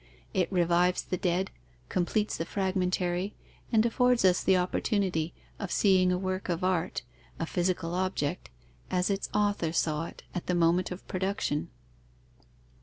It revives the dead, completes the fragmentary, and affords us the opportunity of seeing a work of art (a physical object) as its author saw it, at the moment of production.